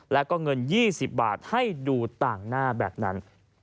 แล้วก็เงิน๒๐บาทให้ดูต่างหน้าแบบนั้น